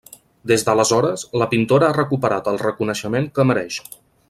Des d'aleshores, la pintora ha recuperat el reconeixement que mereix.